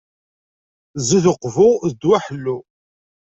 Zzit n Uqbu d ddwa ḥellu.